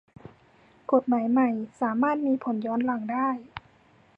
กฎหมายใหม่สามารถมีผลย้อนหลังได้